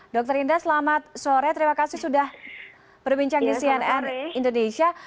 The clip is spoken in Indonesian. dr indah selamat sore terima kasih sudah berbincang di cnn indonesia